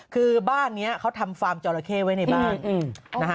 คือบ้านนี้เขาทำฟาร์มจอราเข้ไว้ในบ้านนะฮะ